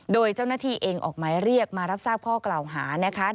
โดยเจ้าหน้าที่เองออกหมายเรียกมารับทราบข้อกล่าวหานะคะ